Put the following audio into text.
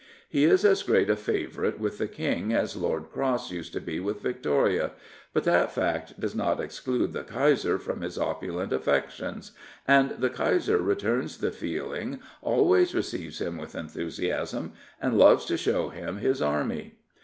He is as great a favourite with the King as Lord Cross used to be with Victoria, but that fact does not exclude the Kaiser from his opulent affections, and the Kaiser returns the feeling, always receives him with enthusiasm, and loves to show him his army.